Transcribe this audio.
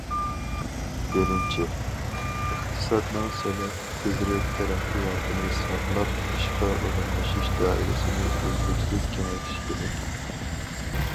بىرىنچى، ئىقتىسادنىڭ سىلىق، تېزرەك تەرەققىياتىنى ساقلاپ، ئىشقا ئورۇنلىشىش دائىرىسىنى ئۈزلۈكسىز كېڭەيتىش كېرەك.